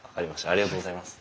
ありがとうございます。